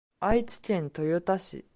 愛知県豊田市